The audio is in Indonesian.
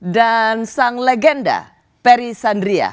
dan sang legenda perry sandria